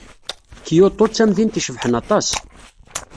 Kyoto d tamdint icebḥen aṭas.